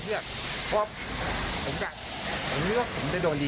สู้ทึบกว่ากว่าบาทใช่มั้ย